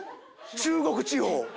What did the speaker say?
中国地方。